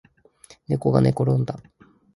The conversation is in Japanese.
ねこがねころんだ